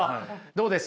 どうです？